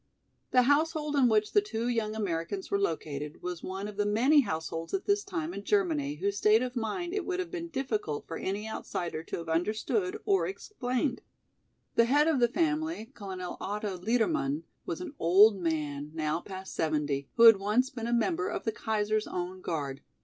The household in which the two young Americans were located was one of the many households at this time in Germany whose state of mind it would have been difficult for any outsider to have understood or explained. The head of the family, Colonel Otto Liedermann, was an old man, now past seventy, who had once been a member of the Kaiser's own guard.